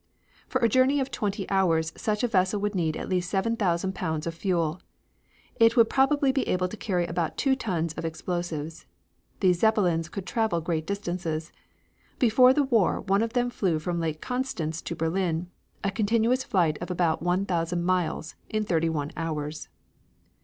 For a journey of twenty hours such a vessel would need at least seven thousand pounds of fuel. It would probably be able to carry about two tons of explosives. These Zeppelins could travel great distances. Before the war one of them flew from Lake Constance to Berlin, a continuous flight of about one thousand miles, in thirty one hours.